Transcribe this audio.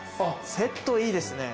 セットいいですね。